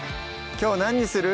きょう何にする？